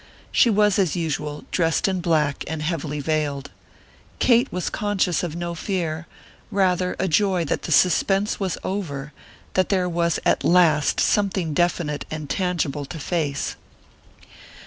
She was, as usual, dressed in black and heavily veiled. Kate was conscious of no fear; rather a joy that the suspense was over, that there was at last something definite and tangible to face.